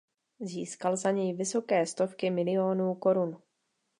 Získal za něj „vysoké stovky milionů korun“.